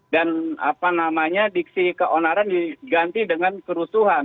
dan apa namanya diksi keonaran diganti dengan kerusuhan